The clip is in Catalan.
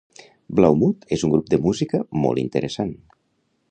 Blaumut és un grup de música molt interessant.